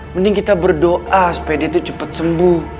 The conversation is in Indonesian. mending kita berdoa supaya dia itu cepat sembuh